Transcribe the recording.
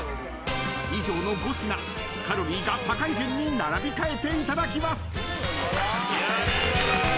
［以上の５品カロリーが高い順に並び替えていただきます］